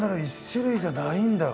１種類じゃないんだ。